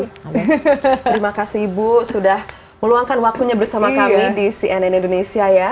terima kasih ibu sudah meluangkan waktunya bersama kami di cnn indonesia ya